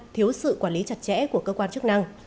thiếu sự quản lý chặt chẽ của cơ quan chức năng